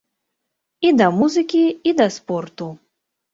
І да музыкі, і да спорту.